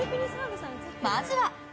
まずは。